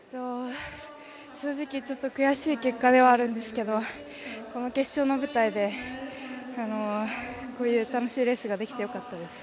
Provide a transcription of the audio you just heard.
正直、ちょっと悔しい結果ではあるんですけどこの決勝の舞台でこういう楽しいレースができて良かったです。